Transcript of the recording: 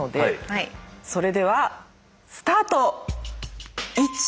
それではスタート！